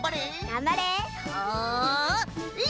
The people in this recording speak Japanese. がんばれ。